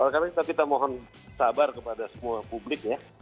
oleh karena itu kita mohon sabar kepada semua publik ya